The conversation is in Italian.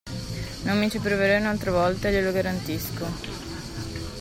Non mi ci proverei un'altra volta, glielo garantisco!